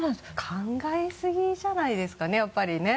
考えすぎじゃないですかねやっぱりね。